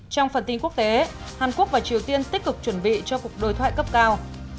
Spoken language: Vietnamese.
trong phần tin quốc tế hàn quốc và triều tiên tích cực chuẩn bị cho cuộc đối thoại cấp cao